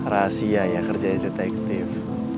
rahasia ya kerjanya detektif